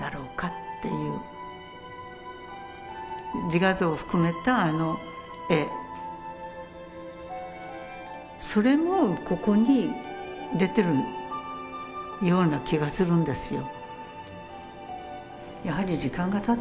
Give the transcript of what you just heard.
自画像を含めたあの絵それもここに出てるような気がするんですよ。